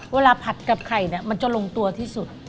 เวลาผัดกับไข่มันจะลงตัวที่สุด